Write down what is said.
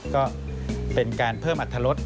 ก็เป็นการเพิ่มอัตรรส